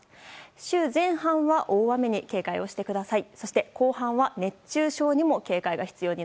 週前半は大雨に警戒をしてください。